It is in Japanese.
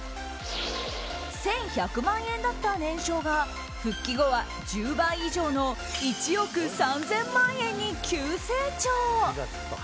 １１００万円だった年商が復帰後は１０倍以上の１億３０００万円に急成長。